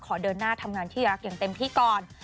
เดินหน้าทำงานที่รักอย่างเต็มที่ก่อน